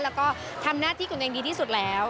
แล้วก็ทำหน้าที่ของตัวเองดีที่สุดแล้ว